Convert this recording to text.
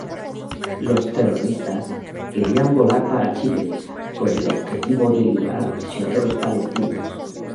Los terroristas querían volar para Chipre con el objetivo de liberar prisioneros palestinos.